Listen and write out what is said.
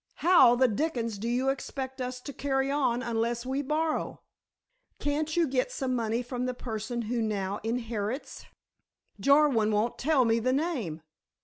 How the dickens do you expect us to carry on unless we borrow?" "Can't you get some money from the person who now inherits?" "Jarwin won't tell me the name."